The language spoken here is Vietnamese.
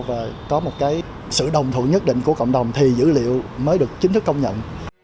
và có một cái sự đồng thủ nhất định của cộng đồng thì dữ liệu mới được chính thức công nhận